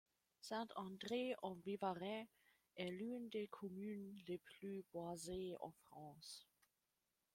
Saint-André-en-Vivarais est l'une des communes les plus boisées en France.